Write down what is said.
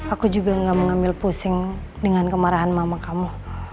aku juga gak mengambil pusing dengan kemarahan mama kamu